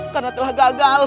karena telah gagal